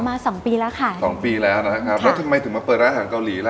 สองปีแล้วค่ะสองปีแล้วนะครับแล้วทำไมถึงมาเปิดร้านอาหารเกาหลีล่ะ